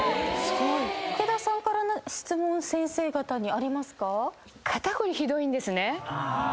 武田さんから質問先生方にありますか？